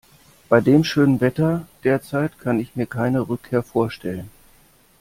Bei dem schönen Wetter derzeit kann ich mir keine Rückkehr vorstellen.